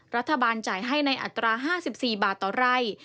รัฐบาลจ่ายให้ในอัตรา๕๔บาทต่อไร่